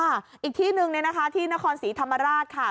ค่ะอีกที่หนึ่งที่นครศรีธรรมราชค่ะ